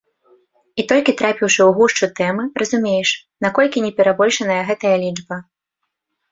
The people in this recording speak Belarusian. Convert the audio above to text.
І толькі трапіўшы ў гушчу тэмы, разумееш, наколькі не перабольшаная гэтая лічба.